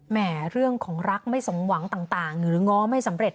เรื่องของรักไม่สมหวังต่างหรือง้อไม่สำเร็จ